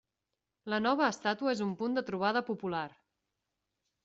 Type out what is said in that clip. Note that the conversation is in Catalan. La nova estàtua és un punt de trobada popular.